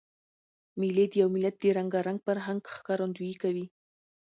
مېلې د یو ملت د رنګارنګ فرهنګ ښکارندویي کوي.